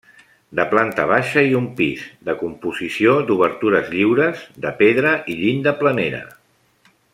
De planta baixa i un pis, de composició d'obertures lliures, de pedra i llinda planera.